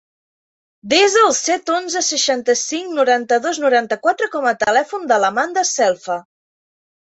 Desa el set, onze, seixanta-cinc, noranta-dos, noranta-quatre com a telèfon de l'Amanda Selfa.